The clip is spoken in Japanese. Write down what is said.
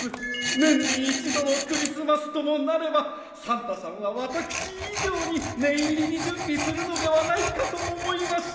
年に一度のクリスマスともなればサンタさんは私以上に念入りに準備するのではないかと思いまして。